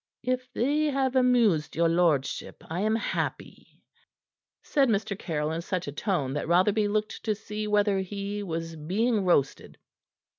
"If they have amused your lordship I am happy," said Mr. Caryll in such a tone that Rotherby looked to see whether he was being roasted.